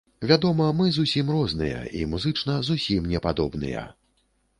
Вядома, мы зусім розныя і музычна зусім не падобныя.